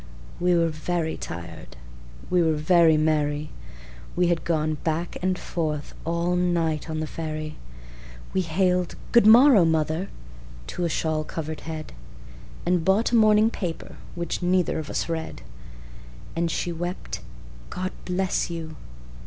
We were very tired, we were very merry, We had gone back and forth all night on the ferry, We hailed "Good morrow, mother!" to a shawl covered head, And bought a morning paper, which neither of us read; And she wept, "God bless you!"